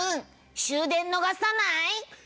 終電逃さない？